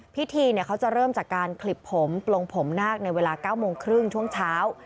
พิธีเขาจะเริ่มจากการขลิบผมปลงผมนาคในเวลา๙โมงครึ่งช่วงเช้า